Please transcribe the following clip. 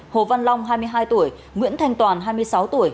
hồ văn long hai mươi hai tuổi nguyễn thanh toàn hai mươi sáu tuổi